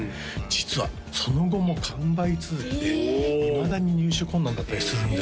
実はその後も完売続きでいまだに入手困難だったりするんですよ